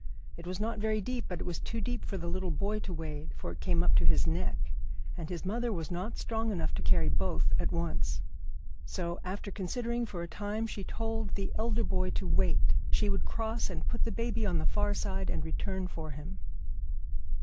It was not very deep, but it was too deep for the little boy to wade, for it came up to his neck, and his mother was not strong enough to carry both at once. So, after considering for a time, she told the elder boy to wait. She would cross and put the baby on the far side, and return for him.